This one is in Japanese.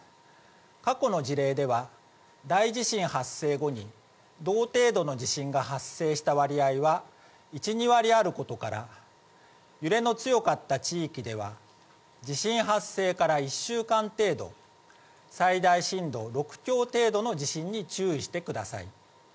過去の事例では、大地震発生後に、同程度の地震が発生した割合は１、２割あることから、揺れの強かった地域では、地震発生から１週間程度、最大震度６強程度の地震に注意してください。